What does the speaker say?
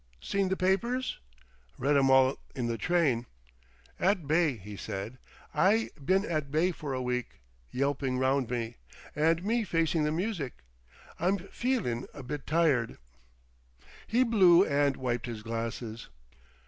"Seen the papers?" "Read 'em all in the train." "At bay," he said. "I been at bay for a week.... Yelping round me.... And me facing the music. I'm feelin' a bit tired." He blew and wiped his glasses.